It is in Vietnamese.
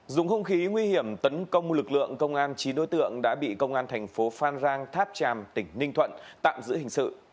dùng hung khí nguy hiểm tấn công lực lượng công an chín đối tượng đã bị công an thành phố phan rang tháp tràm tỉnh ninh thuận tạm giữ hình sự